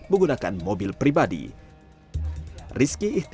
menggunakan mobil pribadi